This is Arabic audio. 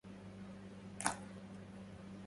يقولون ما لا يفعلون مسبة